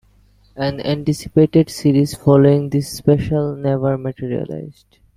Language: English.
An anticipated series following this special never materialized.